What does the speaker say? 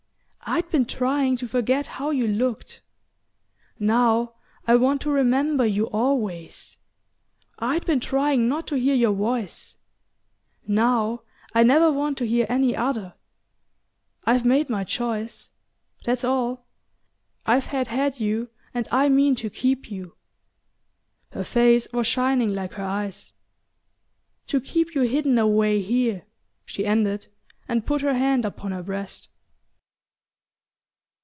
I'd been trying to forget how you looked; now I want to remember you always. I'd been trying not to hear your voice; now I never want to hear any other. I've made my choice that's all: I've had you and I mean to keep you." Her face was shining like her eyes. "To keep you hidden away here," she ended, and put her hand upon her breast.